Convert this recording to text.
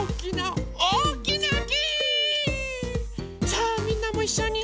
さあみんなもいっしょに。